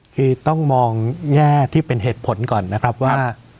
คือต้องมองแง่ที่เป็นเหตุผลก่อนนะครับว่า